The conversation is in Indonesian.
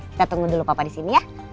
kita tunggu dulu papa di sini ya